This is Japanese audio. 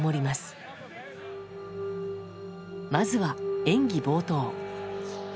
まずは、演技冒頭。